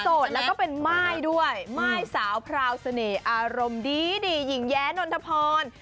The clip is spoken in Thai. แล้วก็เป็นม่ายด้วยม่ายสาวพราวเสน่ห์อารมณ์ดีดีหญิงแย้นนทพร